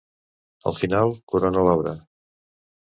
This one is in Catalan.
El final corona l'obra.